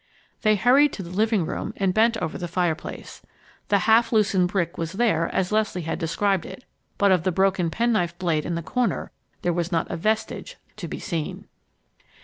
They hurried to the living room and bent over the fireplace. The half loosened brick was there as Leslie had described it, but of the broken penknife blade in the corner, there was not a vestige to be seen!